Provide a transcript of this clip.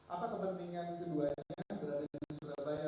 apa kepentingan keduanya berada di surabaya